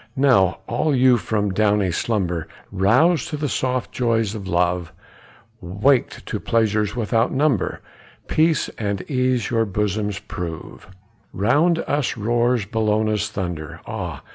Now all you from downy slumber Roused to the soft joys of love, Waked to pleasures without number, Peace and ease your bosoms prove: Round us roars Bellona's thunder, Ah!